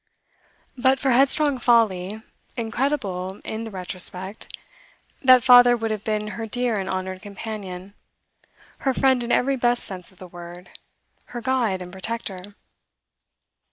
But for headstrong folly, incredible in the retrospect, that father would have been her dear and honoured companion, her friend in every best sense of the word, her guide and protector.